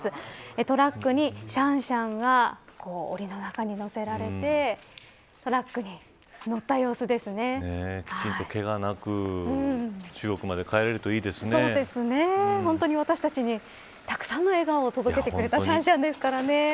トラックにシャンシャンがおりの中に乗せられてきちんと、けがなく本当に私たちにたくさんの笑顔を届けてくれたシャンシャンですからね。